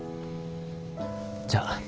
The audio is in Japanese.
じゃあ。